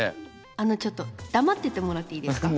あのちょっとだまっててもらっていいですか？